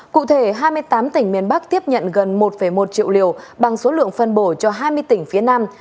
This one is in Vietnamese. cụ thể hai mươi tám tỉnh miền bắc tiếp nhận gần một một triệu liều bằng số lượng phân bổ cho hai mươi tỉnh phía nam